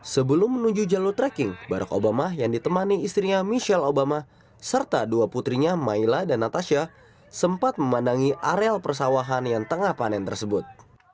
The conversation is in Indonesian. sebelum menuju jalur trekking barack obama yang ditemani istrinya michelle obama serta dua putrinya maila dan natasha sempat memandangi areal persawahan yang tengah panen tersebut